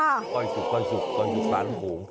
แล้วก็ปล่อยสุขปล่อยสุขปล่อยสุขาวน้ำโขง